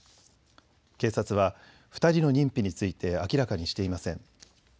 警察は２人の認否について明らかにしていません。